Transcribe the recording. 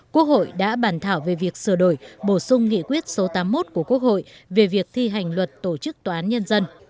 quốc hội đã bàn thảo về việc sửa đổi bổ sung nghị quyết số tám mươi một của quốc hội về việc thi hành luật tổ chức tòa án nhân dân